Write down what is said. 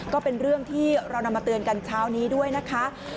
ก็เป็นเรื่องที่เรานำมาเตือนกันเช้านี้ด้วยนะคะ